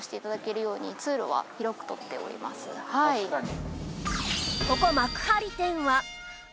確かに。